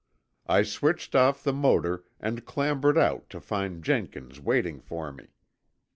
I switched off the motor and clambered out to find Jenkins waiting for me.